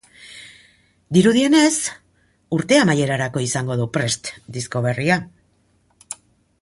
Dirudienez, urte amaierarako izango du prest disko berria.